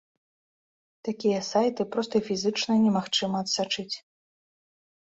Такія сайты проста фізычна немагчыма адсачыць.